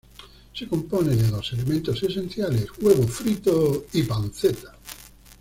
Se compone de dos elementos esenciales: huevo frito y panceta.